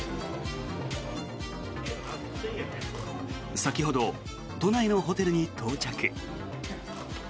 先ほど、都内のホテルに到着。